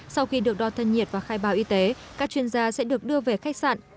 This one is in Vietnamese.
sau khi được đo thân nhiệt và khai báo y tế các chuyên gia sẽ được đưa về khách sạn